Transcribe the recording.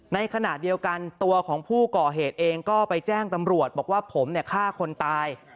ในขณะเดียวกันตัวของผู้ก่อเหตุเองก็ไปแจ้งตำรวจบอกว่าผมฆ่าคนตาย